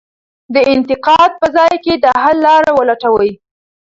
د انتقاد په ځای د حل لار ولټوئ.